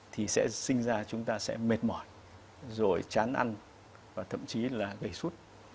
thì sẽ sinh ra chúng ta sẽ mệt mỏi rồi chán ăn và thậm chí là gầy sút